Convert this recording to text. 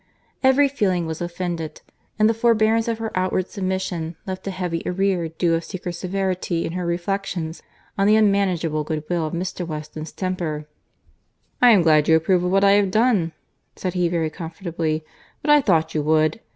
Every feeling was offended; and the forbearance of her outward submission left a heavy arrear due of secret severity in her reflections on the unmanageable goodwill of Mr. Weston's temper. "I am glad you approve of what I have done," said he very comfortably. "But I thought you would.